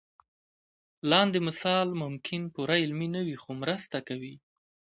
لاندې مثال ممکن پوره علمي نه وي خو مرسته کوي.